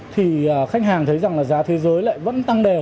thì khách hàng thấy rằng là giá thế giới lại vẫn tăng đều